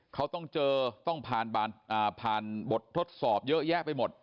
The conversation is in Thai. เขาต้องเจอต้องผ่านบททดสอบเยอะแยะไปหมด